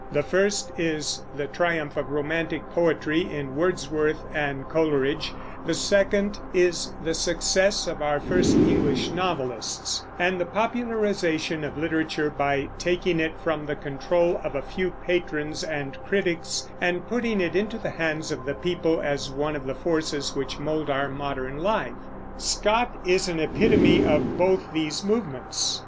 The first is the triumph of romantic poetry in Wordsworth and Coleridge; the second is the success of our first English novelists, and the popularization of literature by taking it from the control of a few patrons and critics and putting it into the hands of the people as one of the forces which mold our modern life. Scott is an epitome of both these movements.